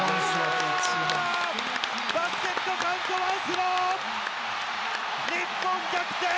バスケットカウント、ワンスロー！日本逆転。